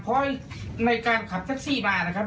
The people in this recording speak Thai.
เพราะในการขับแท็กซี่มานะครับ